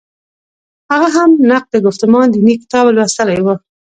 هغه هم نقد ګفتمان دیني کتاب لوستلی و.